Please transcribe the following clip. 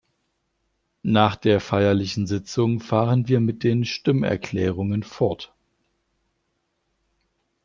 Nach der feierlichen Sitzung fahren wir mit den Stimmerklärungen fort.